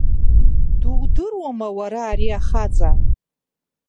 Дудыруама уара ари ахаҵа?